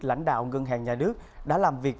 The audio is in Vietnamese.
lãnh đạo ngân hàng nhà nước đã làm việc